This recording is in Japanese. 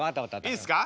いいっすか。